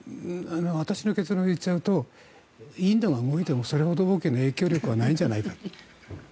私の結論を言っちゃうとインドが動いてもそれほど大きな影響力はないんじゃないか。